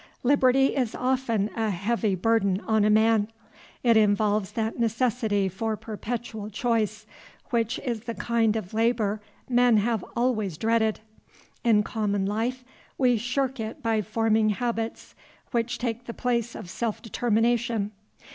Liberty is often a heavy burden on a man. It involves that necessity for perpetual choice which is the kind of labor men have always dreaded. In common life we shirk it by forming habits, which take the place of self determination.